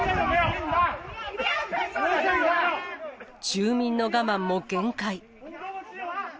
住民の我慢も限界。